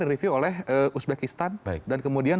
direview oleh uzbekistan dan kemudian